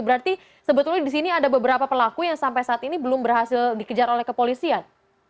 berarti sebetulnya di sini ada beberapa pelaku yang sampai saat ini belum berhasil dikejar oleh kepolisian